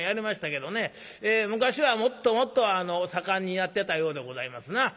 昔はもっともっと盛んにやってたようでございますな。